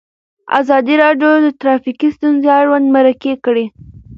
ازادي راډیو د ټرافیکي ستونزې اړوند مرکې کړي.